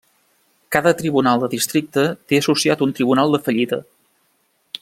Cada tribunal de districte té associat un tribunal de fallida.